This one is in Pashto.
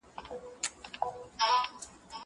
هغه وويل چي لوبي مهمي دي.